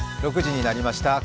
６時になりました。